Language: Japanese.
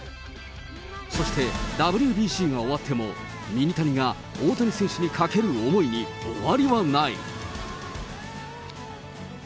そして、ＷＢＣが終わっても、ミニタニが大谷選手にかける思いに終わりはない。